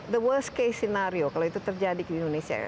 the worst case scenario kalau itu terjadi di indonesia